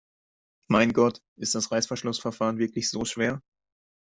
Mein Gott, ist das Reißverschlussverfahren wirklich so schwer?